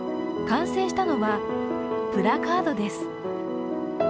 完成したのは、プラカードです。